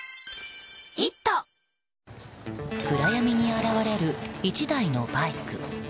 暗闇に現れる１台のバイク。